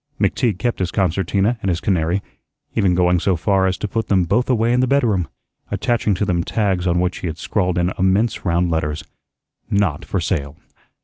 McTeague kept his concertina and his canary, even going so far as to put them both away in the bedroom, attaching to them tags on which he had scrawled in immense round letters, "Not for Sale."